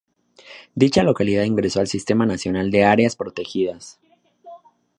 Dicha localidad ingresó al Sistema Nacional de Áreas Protegidas.